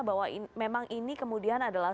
bahwa memang ini kemudian adalah